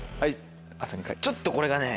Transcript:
ちょっとこれがね